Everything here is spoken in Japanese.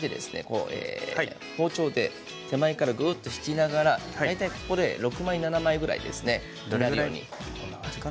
包丁で手前からぐっと引きながら大体ここで６枚７枚ぐらいですねとなるように。